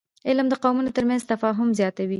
علم د قومونو ترمنځ تفاهم زیاتوي